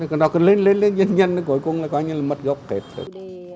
cần đó cứ lên lên lên nhanh nhanh cuối cùng là coi như là mất gốc thiệt rồi